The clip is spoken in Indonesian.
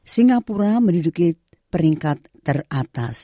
singapura menduduki peringkat teratas